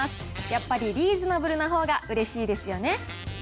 やっぱりリーズナブルなほうがうれしいですよね。